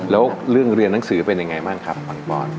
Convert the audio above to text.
แล้วเรื่องเรียนหนังสือเป็นยังไงบ้างครับปังปอน